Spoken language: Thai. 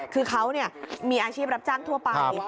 คือเขามีอาชีพรับจ้างทั่วไป